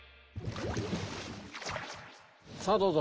さあどうぞ。